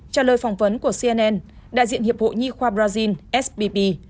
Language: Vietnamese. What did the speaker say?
trả lời phỏng vấn của cnn đại diện hiệp hội nhi khoa brazil sbp